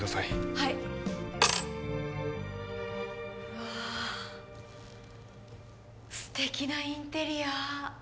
はいうわあ素敵なインテリア